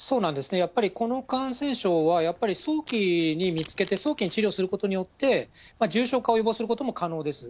やっぱりこの感染症は、やっぱり早期に見つけて、早期に治療することによって、重症化を予防することも可能です。